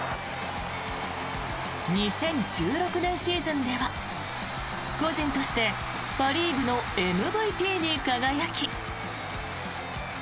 ２０１６年シーズンでは個人としてパ・リーグのＭＶＰに輝き。